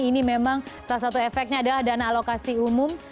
ini memang salah satu efeknya adalah dana alokasi umum